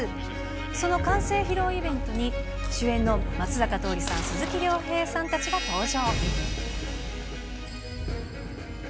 その完成披露イベントに、主演の松坂桃李さん、鈴木亮平さんたちが登場。